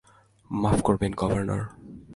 মাফ করবেন, গভর্নর।